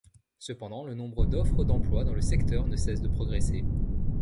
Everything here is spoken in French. Cependant, le nombre d'offres d'emploi dans le secteur ne cesse de progresser.